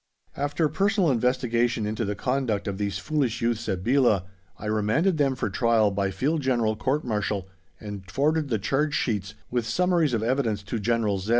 After personal investigation into the conduct of these foolish youths at Belah I remanded them for trial by Field General Court Martial, and forwarded the charge sheets, with summaries of evidence, to General Z.